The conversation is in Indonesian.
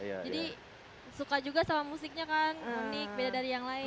jadi suka juga sama musiknya kan unik beda dari yang lain